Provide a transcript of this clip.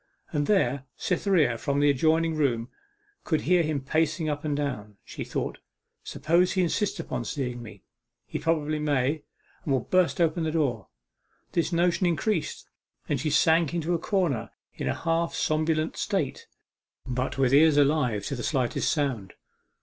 And there Cytherea from the adjoining room could hear him pacing up and down. She thought, 'Suppose he insists upon seeing me he probably may and will burst open the door!' This notion increased, and she sank into a corner in a half somnolent state, but with ears alive to the slightest sound.